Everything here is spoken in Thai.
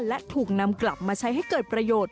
และถูกนำกลับมาใช้ให้เกิดประโยชน์